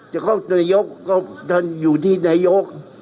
จะครบนายกก็อยู่ที่นายก